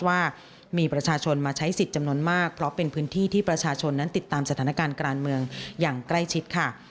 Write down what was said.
ว่ามีประชาชนมาใช้สิทธิ์จำนวนมากเพราะเป็นพื้นที่ที่ประชาชนนั้นติดตามสถานการณ์การเมืองอย่างใกล้ชิดค่ะ